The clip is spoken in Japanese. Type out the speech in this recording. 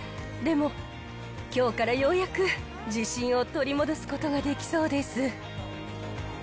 でも、きょうからようやく自信を取り戻すことができそうです。